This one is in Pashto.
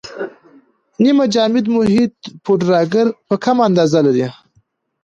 نیمه جامد محیط پوډراګر په کمه اندازه لري.